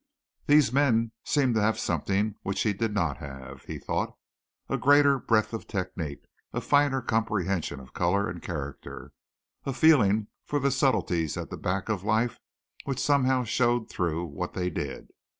These men seemed to have something which he did not have, he thought, a greater breadth of technique, a finer comprehension of color and character, a feeling for the subtleties at the back of life which somehow showed through what they did.